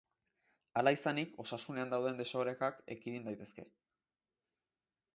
Hala izanik, osasunean dauden desorekak, ekidin daitezke.